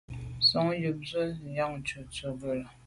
Nson yub ju ze Njantùn ghù là.